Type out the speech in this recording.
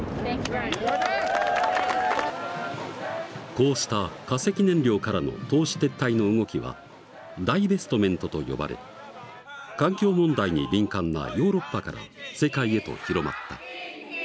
こうした化石燃料からの投資撤退の動きはダイベストメントと呼ばれ環境問題に敏感なヨーロッパから世界へと広まった。